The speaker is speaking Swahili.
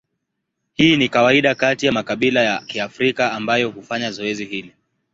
Hii ni kawaida kati ya makabila ya Kiafrika ambayo hufanya zoezi hili.